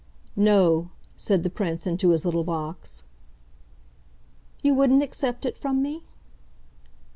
"No," said the Prince into his little box. "You wouldn't accept it from me?"